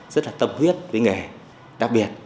rất là tâm huyết với nghề đặc biệt